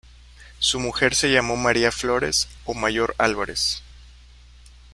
Su mujer se llamó María Flórez, o Mayor Álvarez.